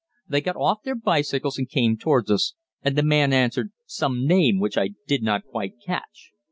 They got off their bicycles and came towards us, and the man answered some name which I did not quite catch.